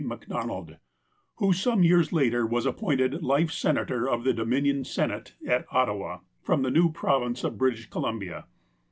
MacDonald, who, some years later, was appointed life senator of the Dominion Senate at Ottawa from the new province of British Columbia.